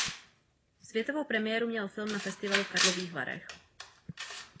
Světovou premiéru měl film na festivalu v Karlových Varech.